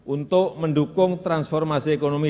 untuk mendukung transformasi ekonomi